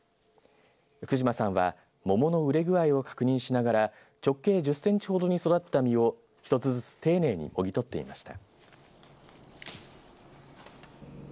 福島さんはももの熟れ具合を確認しながら直径１０センチほどに育った実を１つずつ丁寧にもぎ取っていました。